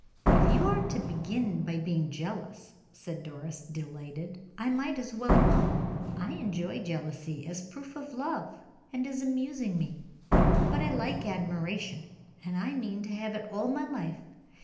"If you are to begin by being jealous," said Doris, delighted, "I might as well know. I enjoy jealousy as a proof of love, and as amusing me, but I like admiration, and I mean to have it all my life.